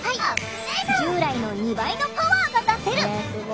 従来の２倍のパワーが出せる！